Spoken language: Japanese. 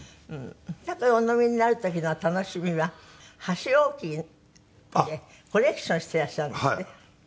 お酒をお飲みになる時の楽しみは箸置きでコレクションをしていらっしゃるんですって？